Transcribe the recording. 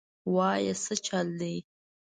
وايه سه چل دې.